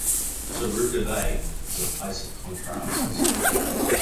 Suruga Bay is a place of contrasts.